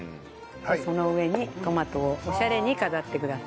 その上にトマトをオシャレに飾ってください。